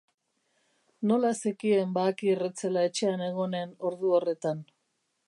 Nola zekien Baakir ez zela etxean egonen ordu horretan?